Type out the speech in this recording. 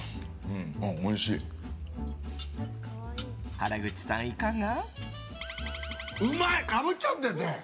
原口さん、いかが？